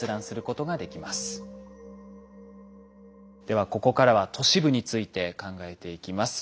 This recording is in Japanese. ではここからは都市部について考えていきます。